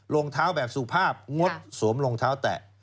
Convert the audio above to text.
รองเท้าแบบสุภาพงดสวมรองเท้าแตะ